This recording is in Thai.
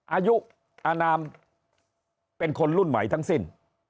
อายุอนามเป็นคนรุ่นใหม่ทั้งสิ้น